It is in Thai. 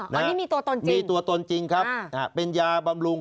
อ๋อนี่มีตัวตนจริงครับเป็นยาบำรุง